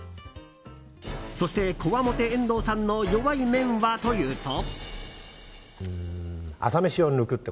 そして、こわもて遠藤さんの弱い面はというと。